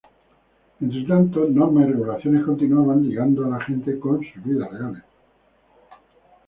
Entretanto, normas y regulaciones continuaban ligando a la gente con sus vidas reales.